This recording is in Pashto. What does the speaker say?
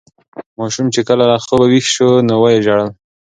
ماشوم چې کله له خوبه ویښ شو نو ویې ژړل.